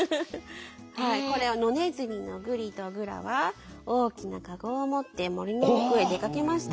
はいこれは「のねずみのぐりとぐらは大きなカゴを持って森の奥へ出かけました」。